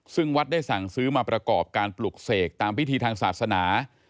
ซึ่งวัดได้สั่งซื้อมาประกอบการปลุกเสกตามพิธีทางศาสนา